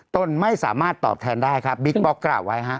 ต้นไม่สามารถตอบแทนได้บิ๊กบล็อกกราบไว้ครับ